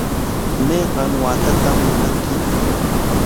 ¿Mayqan waakaatam munanki?